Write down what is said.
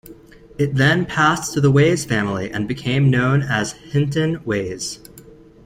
It then passed to the Wase family and became known as Hinton Wase.